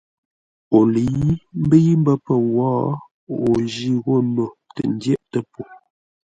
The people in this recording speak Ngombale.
O lə̌i mbə́i mbə́ pə̂ wǒ, o jî ghô no tə ndyə́tə́ po.